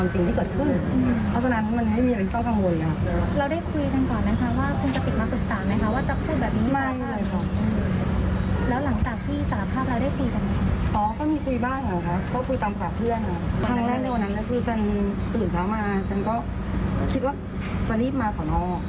หนึ่งทางแรกในวันนั้นซึ่งเตือนเช้ามาผมคิดว่ามักจะพร้อมมาสอนอน